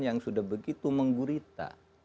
yang sudah begitu menggurita